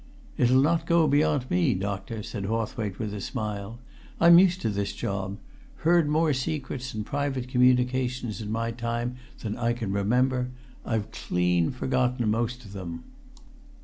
"It'll not go beyond me, doctor," said Hawthwaite with a smile. "I'm used to this job! Heard more secrets and private communications in my time than I can remember; I've clean forgotten most of 'em."